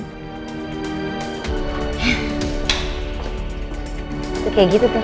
kayak gitu tuh